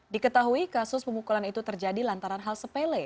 diketahui kasus pemukulan itu terjadi lantaran hal sepele